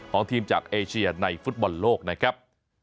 ของทีมจากเอเชียในฟุตบอลโลกนะครับ